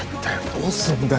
どうするんだよ。